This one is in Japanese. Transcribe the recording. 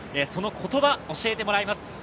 その言葉、教えてもらいます。